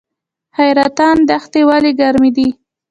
حیرتان دښتې ولې ګرمې دي؟